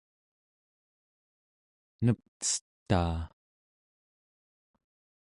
nepcetaa